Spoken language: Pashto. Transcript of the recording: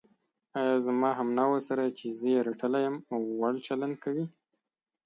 ایا زما همنوعو سره چې زه یې رټلی یم، وړ چلند کوې.